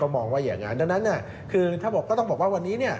มองว่าอย่างนั้นดังนั้นคือถ้าบอกก็ต้องบอกว่าวันนี้เนี่ย